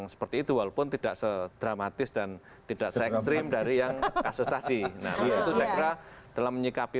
seperti itu walaupun tidak sedramatis dan tidak se extreme dari yang kasus tadi dalam menyikapi